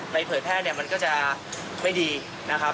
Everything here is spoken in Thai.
เผยแพร่เนี่ยมันก็จะไม่ดีนะครับ